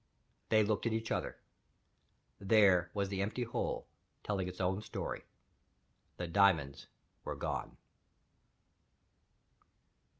They looked at each other. There was the empty hole, telling its own story. The diamonds were gone.